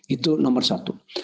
itu nomor satu